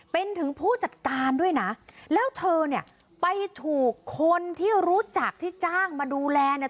เป็นถึงผู้จัดการด้วยนะแล้วเธอเนี่ยไปถูกคนที่รู้จักที่จ้างมาดูแลเนี่ย